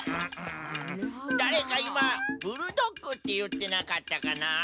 だれかいま「ブルドック」っていってなかったかな？